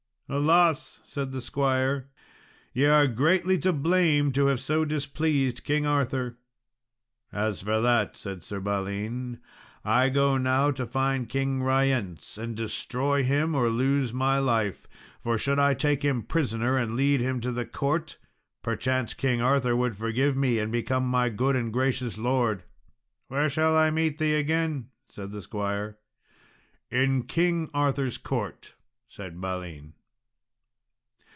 "Alas!" said the squire, "ye are greatly to blame to have so displeased King Arthur." "As for that," said Sir Balin, "I go now to find King Ryence, and destroy him or lose my life; for should I take him prisoner, and lead him to the court, perchance King Arthur would forgive me, and become my good and gracious lord." "Where shall I meet thee again?" said the squire. "In King Arthur's court," said Balin.